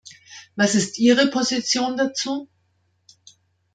Was ist Ihre Position dazu?